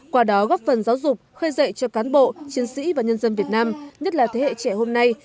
qua đó góp phần giáo dục khơi dậy cho cán bộ chiến sĩ và nhân dân việt nam nhất là thế hệ trẻ hôm nay